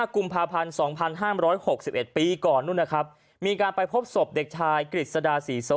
๒๕กุมภาพันธุ์๒๕๖๑ปีก่อนมีการไปพบศพเด็กชายกิจสดาศรีโซ